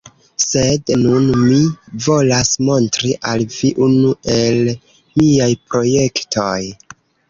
Sed nun mi volas montri al vi unu el miaj projektoj.